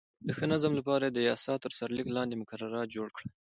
د ښه نظم لپاره یې د یاسا تر سرلیک لاندې مقررات جوړ کړل.